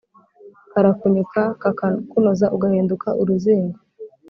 karakunyuka kakakunoza ugahinduka uruzingo